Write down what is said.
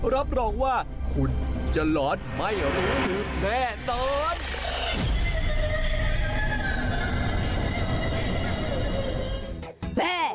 รับรองว่าคุณจะหลอนไม่รู้แน่นอน